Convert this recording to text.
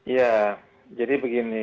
ya jadi begini